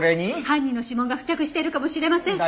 犯人の指紋が付着しているかもしれません。